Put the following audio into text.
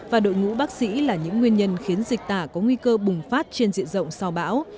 và đội ngũ bác sĩ là những nguyên nhân khiến dịch tả có nguy cơ bùng phát trên diện rộng sau bão